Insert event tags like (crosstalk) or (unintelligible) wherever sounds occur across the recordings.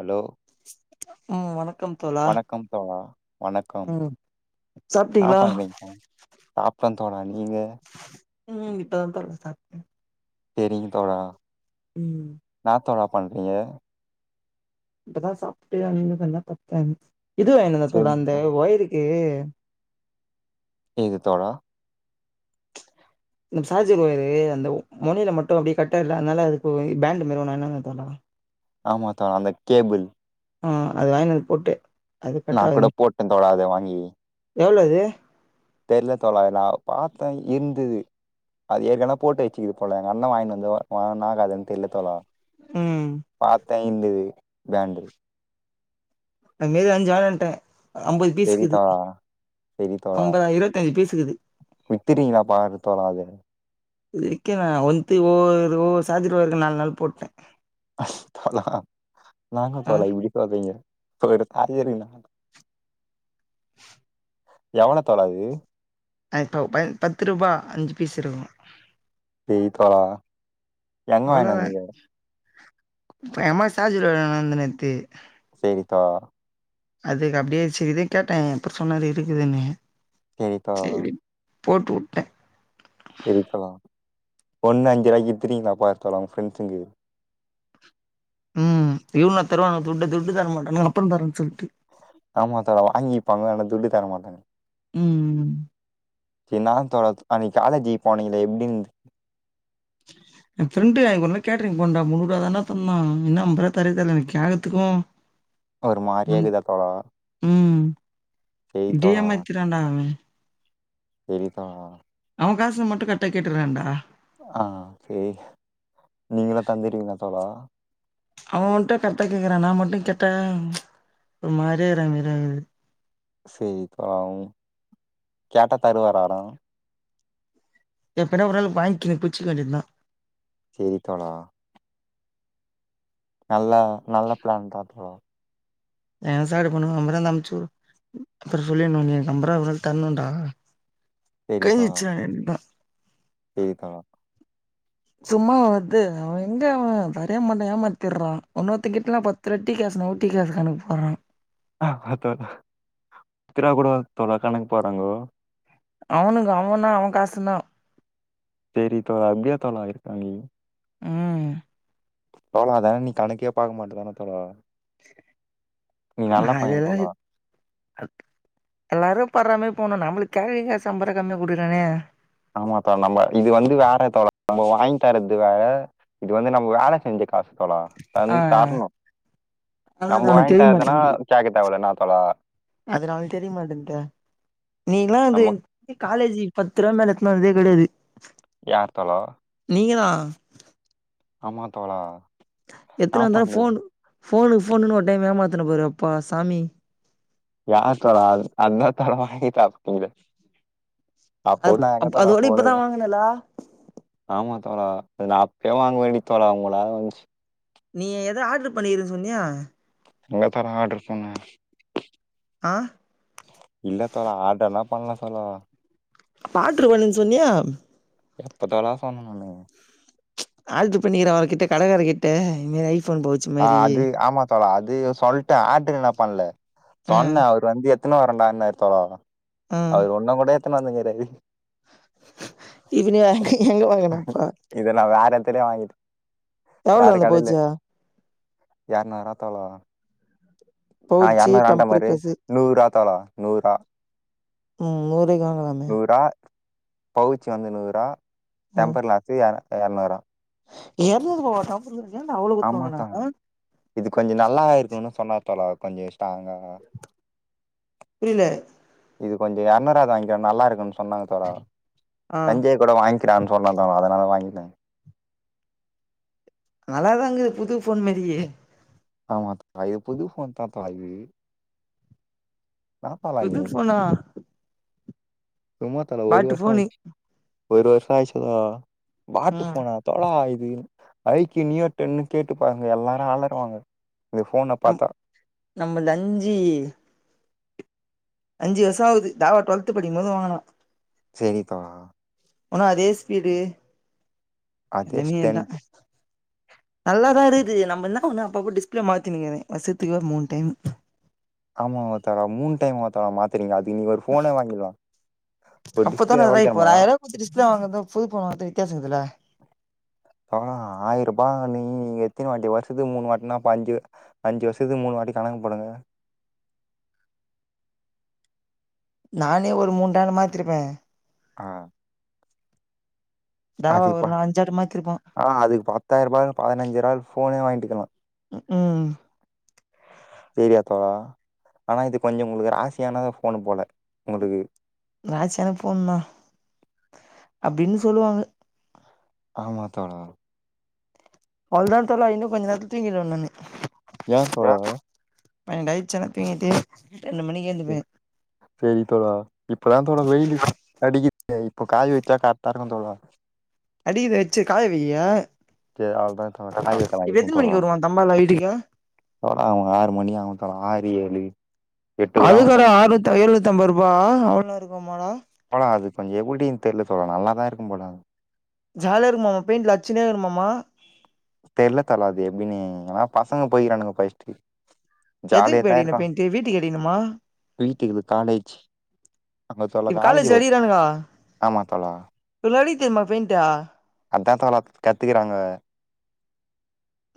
Allow ம் வணக்கம் தோழா கம் தோழா வணக்கம் ம் என்னா சாப்ட்டீங்களா பண்றீங்க சாப்டே தோழா நீங்க ம் இப்ப தா தோழா சாப்ட்டே சேரிங்க தோழா ம் னா தோழா பண்றீங்க இப்ப தா சாப்ட்டு (unintelligible) பட்த்தே இது வாய்னு வந்தே தோழா அந்த செரிங்க ஒய்ருக்கு நீங்க தோழா நம் சார்ஜர் ஒயரு அந்த மொனைல மட்டு அப்டியே கட்டாய்ல்ல அன்னால அதுக்போயி பேண்ட் மாரி ஒன்னு வாய்னு வந்தே தோழா ஆமா தோழா அந்த கேபிள் ஆ அது வாய்னு வந்து போட்டு அது நா கட் கூட ஆகுது போட்டே தோழா அத வாங்கி எவ்ளோ அது தெர்ல தோழா நா பாத்தே இந்துது அது ஏற்கெனே போட்டு வச்சிக்கு போல எங்க அண்ண வாங்கி வந்து வாகாதுன்னு தெரில தோழா ம் பாத்த இந்து பேண்ட்டு அது மாரி அஞ்சு வாங்கி வண்ட அம்பது பீஸுக்குது சரி தோழா வித்துட்டீங்களா பாரு தோழா அது விக்கல நா வந்து ஓ ஓசாஜிரம் இருக்க நாலு நாள் போட்ட தோழா நானு ஆ தோழா (unintelligible) (inaudible) எவ்ளோ தோழா இது அ இப்போ ப பத்து ரூபா அஞ்சு பீஸ் இருக்கு ம் தோழா எங்க வாங்கிட்டு அவ்ளோதா வந்தீங்க எ அம்மா சார்ஜரு வா (unintelligible) நேத்து செரி தோழா அதுக்கு அப்டியே இது கேட்ட அப்புறோ சொன்னாரு இருக்குதுன்னு சரி தோழா சேரி போட்டுவுட்டே சேரி தோழா ஒன்னு அஞ்சு ரூவாய்க்கு (unintelligible) பாக்கலா ஃப்ரெண்ட்ஸுங்கு ம் இவுன்ங்களா தருவாங்க துட்டு துட்டு தரமாட்டனுங்க அப்புறோ தரேன் சொல்லிட்டு ஆமா தோழா வாங்கிப்பாங்க ஆனா துட்டு தர மாட்டாங்க ம் இன்னாதா தோழா அன்னைக் காலேஜ் போனீங்களே எப்டி எ ஃப்ரெண்டு அன்னைக்கு ஒரு நாள் கேட்டரிங் போனோ டா முந்நூறு தான தந்தா இன்னு அம்ப ரூவா தரவே தரல எனக்கு கேகத்துக்கு ஒரு மாரியா இக்குதா தோழா செய்தா வித்துட்டாண்டா அவ சேரி தோழா அவ காசுனா மட்டு கரெட்டா கேட்டுறான்டா ஆ க்கே நீங்களா தந்துறீங்க தோழா அவ மட்டு கரெட்டா கேட்குறா நா மட்டு கேட்டா ஒரு மாரியா இரங்குது சேரி தோழா கேட்டா தருவாராடா எப்பனா ஒரு நாளு (unintelligible) க்கினு பிச்சிக்க வேண்டிய தா சேரி தோழா நல்ல நல்ல ப்ளன் தா தோழா ஏ சார் இப்ப பண்ணு நம்பர் இருந்தா அம்ப்ச்சு அப்டி சொல்லிர்ணு நீ எ நம்பர அவனுக்கு தர்ணுடா கிழி்ஞ்ச்சினா என்ன சேரி தோழா சும்மாவா வருது அவ எங்க அவ தரவே மாட்டேங்கிறா ஏமாத்திடுறா இன்னொருத்தன் கிட்டல்லா பத் திரெட்டி காசு ஊட்டி காஸ் கணக்கு போறான் ஆ அ தெர்ல பத்து ரூவா கூட தோழா கணக்கு போடுறாங்கோ அவுனுக்கு அவன்னா அவ காசுன்னா சேரி தோழா அப்டியா தோழா இருக்காய்ங்க ம் தோழா அதா நீ கணக்கே பாக்க மாட்டுறானு தோழா நீ நல்ல பைய அதெல்லா தோழா இ எல்லாரு பட்றமாரி போணு நம்ளுக்கு கெழவிக்கே சம்பரோ கம்மியா குடுக்கிறன ஆமா தோழா நம்ம இது வந்து வேற தோழா நம்ம வாங்கி தர்றது வேற இது வந்து நம்ம வேல செஞ்ச காசு தோழா தந் ஆ தர்னு ஆனா அது நம்ம அவனுக்கு வாங்கி தெரிய தர்ரதுனா கேக்க தேவல என்ன தோழா அதனால தெரியமாட்டன்து நீங்ளா வந்து நம்ம இ காலேஜி பத்து ரூவா மேல எத்துனு வந்ததே கெடையாது யார் தோழா நீங்க தா ஆமா தோழா என்னா எத்தன வந்தாலு பண்றது ஃபோன்னு ஃபோனு ஃபோனுன்னு ஒரு டைம் ஏமாத்துன பாரு அப்பா சாமி யாரு தோழா அந் அண்ண தரம வாங்கி சாப்டீது அப்போ அது நாங்க அப் தழா அதோட இப்பதா போரது வாங்குனலா ஆமா தோழா அதெ அப்பயே வாங்க வேண்டி தோழா உங்களால வந்ச்சு நீ எதோ ஆர்டரு பண்ணிருன்னு சொன்னியா எங்க தொழா ஆர்டரு போன்னு ஆ இல்ல தோழா ஆர்டர்லா பண்ணல தோழா பாத்திருவேணு சொன்னியா எப்ப தோழா சொன்ன நானு ஆர்டுரு பண்ணிக்கிற அவகிட்ட கடகார கிட்ட நீ வை ஆ அது ஆமா தோழா அது சொல்லட ஆட்டு நா பண்ல ஆ சொன்ன அவரு வந்து எத் எத்துனு வரண்டா என்னாரு தோழா அவரு ஒன்னு கூட எத்துனு வந்து கெடையாது இவனி ஆங்க்கு எங்க வாங்கனப்பா இத நா வேற எடத்திலே வாங்கிட்டு எவ்ளோ அந்த பௌச்சு இறநூறு வா தோழா வரு ஆ நா பவுச்சு இறநூறூ வான்ட டெம்பர் பாரு கிளாஸு நூறு ரூபாய் தோழா நூறு ரூபா உம் நூறுவாய்க்கு வாங்களே நூறா பவுச்சு வந்து நூறா டெம்பர் கிளாஸு இர இரநூறா இரநூறூ பாவ டெம்பரு ஏன்டா அவ்ளோ குடுத்து ஆமா வாங்குன்ன தோழா இது கொஞ்சோ நல்லா இருக்குன்னு சொன்னாரு தோழா கொஞ்சோ ஸ்ட்ராங்கா புரியல இது கொஞ்சோ இரநூறு வாத இங்க நல்லா இருக்குன்னு சொன்னாங்க தோழா ஆ தஞ்சே கூட வாங்கிரார்ன்னு சொன்னா தோழா அதானல வாங்கிட்டே நல்லா தாங் இங்குது புது ஃபோன்னு மெரி ஆமா இது புது ஃபோன் தாப்பா இது தாப்பாலா நீ புது ஃபோனா சும்மா சொன்ன ஒரு பாட்டு வர்ஷோ ஃபோனு ஆயிச்சி ஒரு வர்ஷோ ஆய்ச்சு தோழா மாட்டு ம் ஃபோன தோழா இது ஐ க்கி யூ நீயூட் டேன்னு கேட்டுபாருங்க எல்லாரு ஆளருவாங்க இந்த ஃபோன பாத்தா நம்மள் அஞ்சி அஞ்சி வருஷோ ஆவுது தெவா டொல்த்து படிக்கும் போது வாங்குனோ சேரிப்பா ஒன்னு அதே ஸ்பீடு அதேஷ் என்னமே டென் அதா நல்லா தா இருக்குது நம்மந்த ஒன்னு அப்பப்போ டிஸ்பிளே மாத்தி நிக்ற வருஷோத்துக்கு மூண் டைம் ஆமா! ! ! ! ! ! ! ! ! ! மூண் டைம்! ! ! ! ! ! ! ! ! ! மாத்துறீங்க அதெ நீங் ஒரு போனே வாங்கிர்லா ஒரு அப்பதா டிஸ்பிளே நல்லா எவ்ளோ இப்போ ஒரு தெரியுமா ஆயிரூவா டிஸ்பிளே வாங்றது புது ஃபோன வாங்றது வித்தியாசோ இருக்குல பா ஆயிரூபா நீங்க எத்தின வாட்டி வருஷத்து மூணு வாட்டினா பா அஞ்சி அஞ்ச்சு வருஷத்து மூணு வாட்டி கணக்கு போடுக நானே ஒரு மூணு டைம் மாத்திருப்ப ஆ தாவா ஒரு அதிப்பா நா அஞ்சாண்டு மாத்திருப்பா ஆ அதுக்கு பத்தாயிர ரூபாகு பதினஞ்சு இராக்கு ஃபோனே வாங்கிட்டுகலா உம் ஏரியாட்ட வா ஆனா இது கொஞ்சோ ஒங்களுக்கு ராசியான ஃபோனு போல ஒங்களுக்கு ராசியான ஃபோன் தா அப்டின்னு சொல்லுவாங்க ஆமா தோழா அவ்ளோதா தோழா இன்னு கொஞ்ச நேரத்துல தூங்கிருவ நானு ஏ தோழா பன்னென்டு ஆய்ச்சினா தூங்கிட்டு ரெண்டு மணிக்கு எந்துப்பே சேரி தோழா இப்பதா தோழா வெயிலு அடிக்குது இப்போ காய் வச்சா கரெட்டா இருக்கு தோழா அடிக்குது வச்சி காய வைய சரி அவ்வளோதான் தோழா காய் வைக்கலாம் இப்போ இருக்கும் எத்தினி தோழா மணிக்கி வருவா தம்பால் வீட்டுக்க தோழா அவுங்க ஆறு மணி ஆவு தோழா ஆறு ஏழு எட்டு கூட ஆகும் அதுக்காடா தோழா ஆற்நூத் ஏழ்நூத்தம்பது ரூபா அவ்ளோலா இருக்குமாடா தோழா அது கொஞ்சோ எப்டினு தெர்ல தோழா நல்லாதா இருக்கும் போல அது ஜாலியா இருக்குமமா பெயிண்ல அச்சினே இருக்குமமா தெர்ல தல அது எப்டின்னு எல்லா பசங்க போயிருக்கானுங்கோ பைய்ஸ்டி எதுக்கு பா ஜாலியதா அடிக்கணு இருக்கா பெயிண்ட்டு வீட்டுக்கு அடிக்கணுமா வீட்டுக்குது காலேஜு அங்க தோழா காலேஜ் வரு ஆமா தோழா இவ்ள அலித் தெர்மா பெயின்ட அதா தோழா கத்துக்கிறாங்க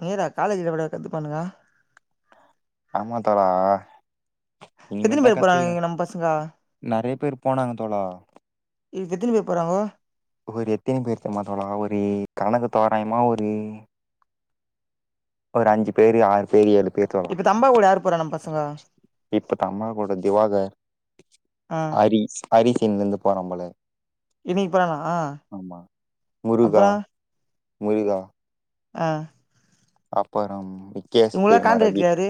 நேரா காலேஜ்ல எப்படா கத்துப்பானுங்க ஆமா தோழா இனிமே எத்தினி தா பேர் போறாங்க கத்துக்கின இங்க நம்ம பசங்க நெறைய பேர் போனாங்க தோழா இதுக்கு எத்தினி பேர் போறாங்கோ ஒரு எத்தினி பேரு தெர்மா தோழா ஒரு கணக்கு தோராயமா ஒரு ஒரு அஞ்சி பேரு ஆறு பேரு ஏழு பேர் தோழா இப்ப தம்பா கூட யாரு போறா நம்ம பசங்க இப்ப தம்மா கூட திவாகர் ஆ ஹரிஸ் ஹரிஸ் இன்னைலேருந்து போறா போல இன்னைக்குப் போறானா ஆமா அப்பற முருகா முருகா ஆ அப்பறம் விக்கேஸ் இவங்கல்லா தெரிமா ரவி கான்ட்ராக்ட் யாரு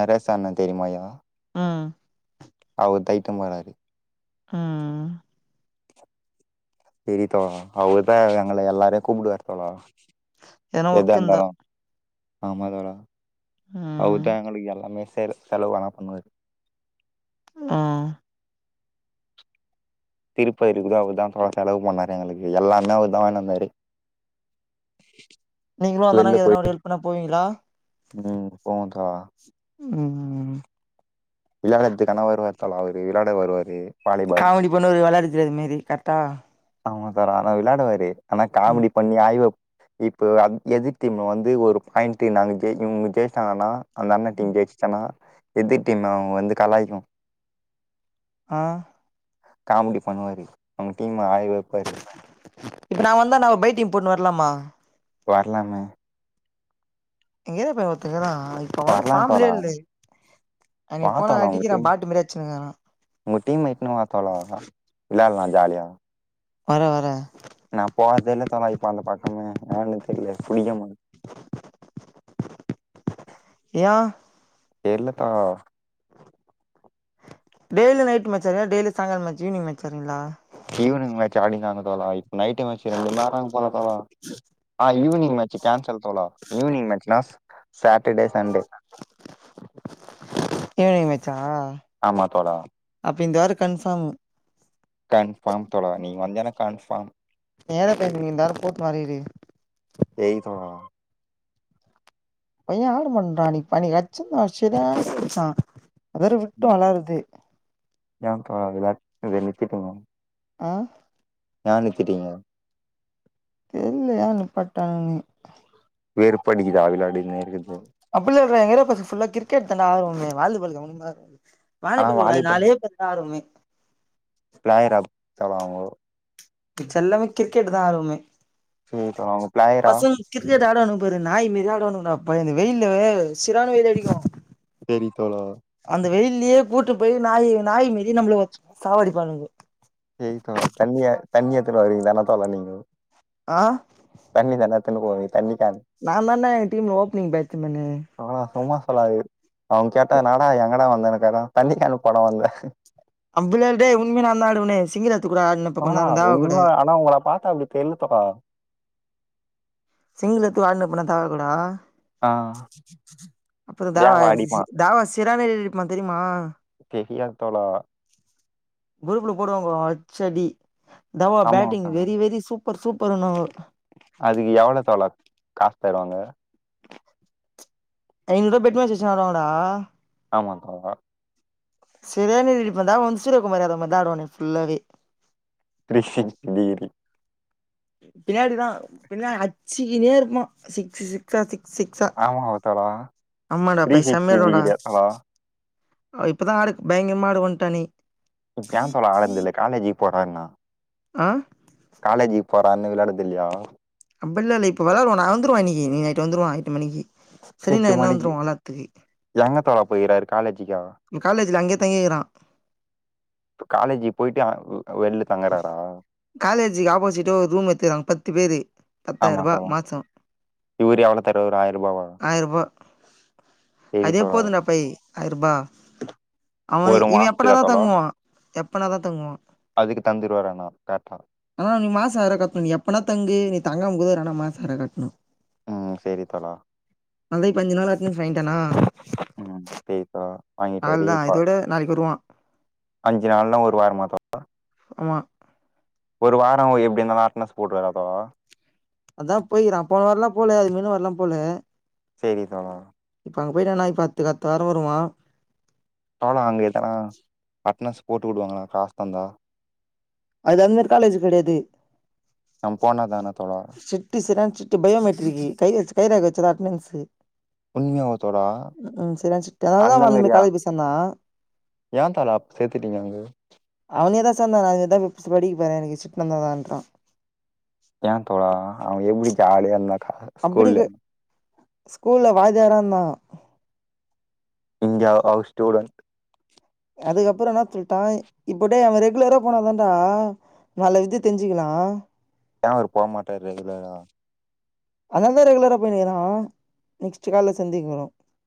நரேசண்ண தெரியுமாயா ம் அவர் டைட்டும் வராரு ம் செரி தோழா அவர்தா எங்கள எல்லாரையு கூப்புடுவாரு தோழா எதனா எதா ஒர்க் இருந்தா இருந்தாலு ஆமா தோழா ம் அவர்தா எங்களுக்கு எல்லாமே செல் செலவெல்லா பண்ணுவாரு ஆ திருப்பதி இருக்குள்ள அவர்தா தோழா செலவு பண்ணாரு எங்களுக்கு எல்லாமே அவர்தா வாங்கின்னு வந்தாரு நீங்களு வெளில அந்தண்ணாக்கு போய் எதனா ஒரு ஹெல்ப்னா போவீங்களா ம் போவோ‌ தோழா ம் விளாட்றதுக் ஆனா வருவாரு தோழா அவரு விளாட வருவாரு வாலிபால் காமெடி பண்ணுவாரு வெளாடத் தெரியாத மேரி கரெட்டா ஆமா தோழா ஆனா விளாடுவாரு ஆனா ம் காமெடி பண்ணி ஆய்வ இப்போ அத் எதிர் டீம் வந்து ஒரு பாயிண்ட்டு நாங்க ஜெய் இவுங்க ஜெயிச்சிட்டாங்கன்னா அந்த அண்ண டீம் ஜெயிச்சிச்சின்னா எதிர் டீம் அவுங்க வந்து கலாய்க்கு ஆ காமெடி பண்ணுவாரு அவுங்க டீம்ம அழ வெப்பாரு இப்ப நா வந்த நா பைட்டி போட்னு வர்லாமா வர்லாமே எங்கது இப்ப ஒருத்தக்குறா அவ இப்ப வந்து வரலாம் ஃபார்ம்லயே தோழா இல்லே வா தோழா உங்க டீம் அடிச்சுனுக்கிறா உங்க டீம்ம இட்டுன்னு வா தோழா வா வெளாட்லா ஜாலியா வர வர நா போர்றதே இல்ல தோழா இப்ப அந்த பக்கம ஏன்னு தெர்ல புடிக்கமாட் ஏ தெரில தோழா டெய்லி நைட் மேட்ச் வெளாட் டெய்லி சாயங்காளோ ஈவ்னிங் மேட்ச் வெளாட்றீங்ளா ஈவினிங் மேட்ச் ஆடினு இருந்தாங்க தோழா இப்ப நைட் மேட்ச் ரெண்டுமே ஆட்டாங்க போல தோழா நா ஈவினிங் மேட்ச் ச்சு கேன்சல் தோழா ஈவினங் மேச்சினா சாட்டர்டே சண்டே ஈவினிங் மேச்சா ஆமா தோழா அப்ப இந்த வாரோ கன்ஃபார்மு கன்ஃபார்ம் தோழா நீ வந்தனா கன்ஃபார்ம் (unintelligible) இந்த வாரோ போட் மாறிடு செரிங் தோழா பைய ஆடு பண்றா நீ பணி அச்சு (inaudible) அதற விட்டு வளருது ஏ தோழா (unintelligible) அ ஏ நிறுத்திடீங்க தெர்ல ஏ நிப்பாட்டங்கன்னு வேறுப்படிக்குதா வெளாடினே இருக்கறது அப்டி இல்ல எங்க ஏரியா ஃபுல்லா கிரிக்கெட் தானே ஆடுவமே வாலிபால் எவனுமே வாலிபால் ஒரு நாளே பசங்க தா ஆடுவமே பிளேயர் (unintelligible) மிச்ச எல்லா கிரிக்கெட்டு தா ஆடுவமே செரி தோழா அவங்க பிளேயரா கிரிக்கெட் ஆடுவாணுபாரு நாய் மாரி ஆடுவாணுங்க எப்பா இந்த வெயில்ல செர்யான வெயில் அடிக்கு செரி தோழா அந்த வெயிலியே கூட்டு போய் நாய் நாய் மாறி நம்மள சாவாடி பானுங்க (unintelligible) தண்ணிய தண்ணி எத்தன்ன வருங்க தானே தோழா நீங்க அ தண்ணி கேன் எத்துனுபோவிங் தண்ணி கேன் நா தானே எங்க டீம்ல ஓப்பனிங் பேட்ச்மேன்னு அ சும்மா சொல்லாது அவன் கேட்டா எங்கடா வந்தேன்னு கேட்டா தண்ணி கேன் போட வந்த அம்பள்ளந்து உண்மே நான்தா ஆடுவனே சிங்க தோழா உண்மையா ஆனா உங்கள பாத்தா அப்டி தெரில தோழா ஆ (unintelligible) அப்றோ தா தேவா அடிப்பான் தாவா (unintelligible) தெரியுமா தெரியாது தோழா குரூப்ல போடுவாங்க ப்ரே தவா ஆமா பேட்டிங் வெரி வெரி சூப்பர் சூப்பர்ணுவங்க அதுக்கு எவ்ளோ தோழா காசு தராங்க ஐநூருவா ஃபெட் மேட்ச் வெச்சு வெளாடுவாங்க ஆமா தோழா செரியானா அடி அடிப்பன்டா (unintelligible) இருக்கு பாரு அதே மாரி தா ஆடுவனே ஃபுல்லாவே (unintelligible) பின்னாடி தா பின்னாடி அச்சுனே இருப்பா சிக்ஸ் சிக்ஸ் சிக்ஸ் சிக்ஸா ஆமா தோழா ஆமாடா த்ரீ பைசா சிக்ஸ்டி மேடோடா டிகிரியா தோழா இப்போதா ஆடு பயங்கரமாக ஆடு (unintelligible) இப்ப ஏ தோழா ஆடுறது இல்ல காலேஜிக்கு போறன்னா ஆ காலேஜிக்கு போறான்னு விளாட்றது இல்லயா அப்டிலா இல்ல இப்ப வெளாடுவோ நா வந்துருவே இன்னிக்கி நீ நைட் வந்துருவா எட்டு மணிக்கு எட்டு மணிக்கு எங்க தோழா போயிக்றாரு காலேஜிக்கா ம் காலேஜ்ல அங்கே தங்கிக்கிறா இப்ப காலேஜி போயிட்டு அ வெளில தங்குறாரா காலேஜிக்கு ஆப்போசிட்ட ஒரு ரூம் எத்துகிறாங்க பத்து பேரு ஆமா பத்தாயிரரூபா தோழா மாசம் இவரு எவ் ஆயிர ரூபா செரி அதே தோழா போதுண்டா பை ஆயிர ரூபா அவ ஒரு இவ மாசத்துக்கா எப்பனாதா தோழா தங்குவா எப்பனாதா தங்குவா அதுக்கு தந்துருவாரு ஆனா கரெக்ட்டா ஆனா நீ மாசம் ஆயர்ரூவா கட்டணு நீ எப்பனா தங்கு நீ தங்காம கூட இரு ஆனா மாசம் ஆயர்ரூவா கட்டணு ம் சேரி தோழா அதே இப்ப அஞ்சுநாள் அட்னன்ஸ் வாங்கிட்டானா ம் சேரி இப்ப வாங்கிட்டாரு அவள் தான் இப்ப இதோட நாளைக்கு வருவான் அஞ்சு நாள்னா ஒரு வாரமா தோ ஆமா ஒரு வாரோ அ எப்டி இருந்தாலு அட்னன்ஸ் போட்ருவாரா தோழா அதா போய்க்கிறா போன வாரம்லா போல அது முன்ன வாரலா போல சேரி தோழா இப்ப அங்க போயிட்டானா இப்ப அடுத்துக்கு அடுத்த வார வருவா தோழா அங்க எதனா அட்னன்ஸ் போட்டு வுடுவாங்களா காசு தந்தா அது அந்த மேரி காலேஜ் கிடையாது நம்ம போனா தான தோழா ஸ்ட்ரி ட்டு செரியா ஸ்ட்ரிக்ட்டு பையோமெட்ரிக்கு கை வச் கைரேக வச்சாதா அட்னன்ஸ் உண்மையாவா தோழா ம் சரியான ஸ்ட்ரிக்ட் அதனால தா அவ அந்த மேலி காலேஜ் போய் சேந்தா ஏ தல அப்ப சேத்துட்டீங்க அங்க அவனேதா சேந்தா நா அங்கதா பி படிக்கப்போறே அப்டின்னு சேந்தா எனக்கு ஸ்ட்ரீட் இருந்தாதான்றா ஏ தோழா அவ எப்டி ஜாலியா இருந்தா கா அப்டி க ஸ்கூல்ல வாத்தியாரா இருந்தா இங்க அ அவர் ஸ்டூடண்ட் அதுக்கப்பற என்னா சொல்லிட்டா இப்போ டே அவ ரெகுலரா போனாதண்டா நல்ல இது தெரிஞ்சுக்கலா ஏ அவர் போமாட்டாரு ரெகுலரா அதுனாலதா ரெகுலரா போயினுருக்குறா நெக்ஸ்ட்டு கால்ல சந்திக்குறோ